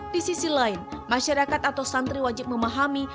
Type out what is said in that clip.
di sisi lain masyarakat atau santri wajib memahami